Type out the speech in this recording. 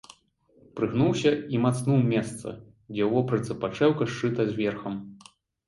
Прыгнуўся і мацнуў месца, дзе ў вопратцы падшэўка сшыта з верхам.